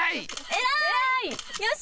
偉い！